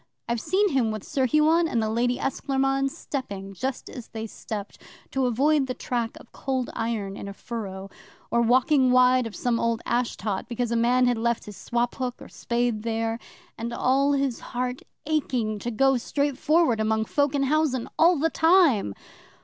I've seen him with Sir Huon and the Lady Esclairmonde stepping just as they stepped to avoid the track of Cold Iron in a furrow, or walking wide of some old ash tot because a man had left his swop hook or spade there; and all his heart aching to go straightforward among folk in housen all the time.